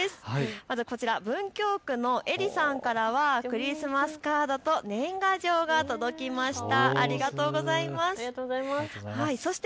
まずこちら、文京区の江里さんからはクリスマスカードと年賀状が届きました。